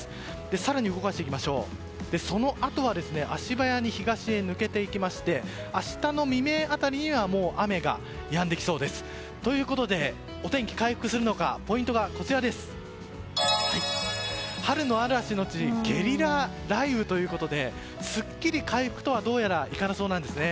更に動かしますとそのあとは足早に東へ抜けていきまして明日の未明辺りにはもう雨がやんできそうです。ということでお天気は回復するのかポイントが春の嵐のちゲリラ雷雨ということですっきり回復とはどうやらいかなそうなんですね。